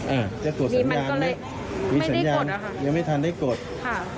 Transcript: อ่าจะกดสัญญาณนี่มันก็เลยไม่ได้กดอ่ะค่ะยังไม่ทันได้กดค่ะ